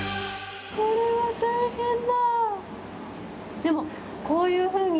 これは大変だ。